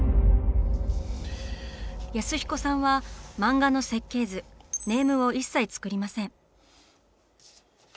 安彦さんは漫画の設計図「ネーム」を一切作りません。